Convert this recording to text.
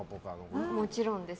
もちろんです。